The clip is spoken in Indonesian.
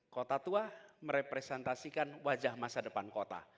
kota tua merepresentasikan wajah masa depan kota